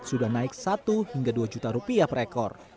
sudah naik satu hingga dua juta rupiah per ekor